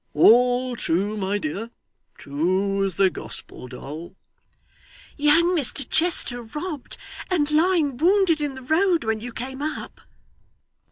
'All true, my dear; true as the Gospel, Doll.' 'Young Mr Chester robbed, and lying wounded in the road, when you came up!